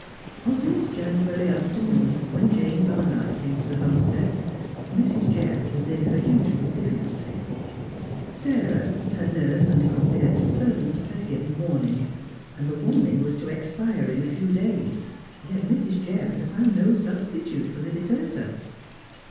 On this January afternoon, when Jane Barnard came to the Homestead, Mrs. Jebb was in her usual difficulty. Sarah, her nurse and confidential servant, had given warning, and the warn ing was to expire in a few days, yet Mrs. Jebb had found no substitute for the deserter.